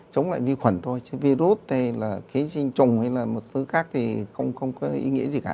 chống lại vi khuẩn thôi chứ virus hay là ký sinh trùng hay là một thứ khác thì không có ý nghĩa gì cả